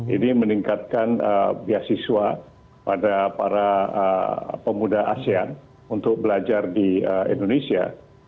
ini meningkatkan beasiswa pada para pemuda asean untuk belajar di indonesia